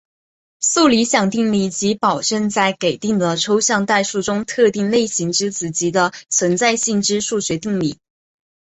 素理想定理即保证在给定的抽象代数中特定类型之子集的存在性之数学定理。